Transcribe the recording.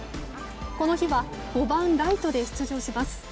この日は５番、ライトで出場します。